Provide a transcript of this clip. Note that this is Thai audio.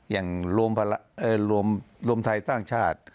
อย่างรวมไทยสร้างชาติ